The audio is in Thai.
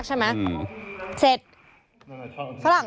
กินขออาหาร